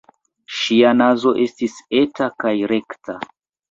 Ŝia nazo estis eta kaj rekta.